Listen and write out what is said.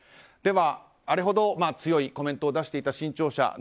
では、あれほど強いコメントを出していた新潮社。